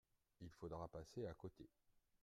Il faudra passer à côté.